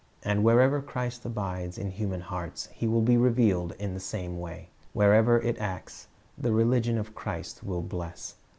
And wherever Christ abides in human hearts, He will be revealed in the same way. Wherever it acts, the religion of Christ will bless.